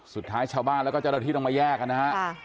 สุดท้ายชาวบ้านแล้วก็เจ้าหน้าที่ต้องมาแยกกันนะฮะ